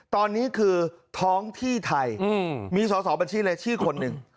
ตอนนี้คือท้องที่ไทยมีสอสอบัญชีรายชื่อคนหนึ่ง